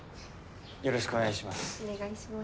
よろしくお願いします。